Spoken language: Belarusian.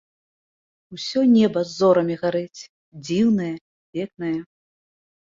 Усё неба зорамі гарыць, дзіўнае, пекнае!